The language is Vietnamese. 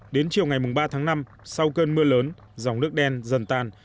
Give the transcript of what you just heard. đến chiều ngày ba tháng năm sau cơn mưa lớn dòng nước đen dần tan